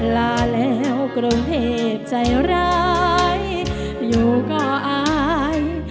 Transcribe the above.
ลาแล้วกรุงเทพใจร้ายอยู่ก็อาย